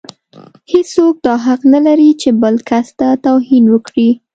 هيڅوک دا حق نه لري چې بل کس ته توهين وکړي.